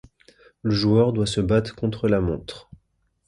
Le joueur doit se battre contre la montre.